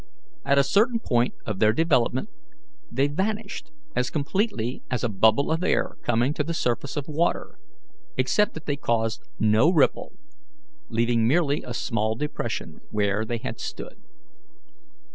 At a certain point of their development they vanished as completely as a bubble of air coming to the surface of water, except that they caused no ripple, leaving merely a small depression where they had stood.